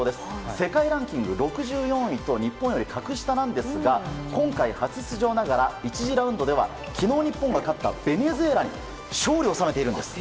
世界ランキング６４位と日本より格下なんですが今回、初出場ながら１次ラウンドでは昨日日本が勝ったベネズエラに勝利を収めているんです。